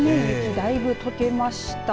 雪だいぶ溶けました。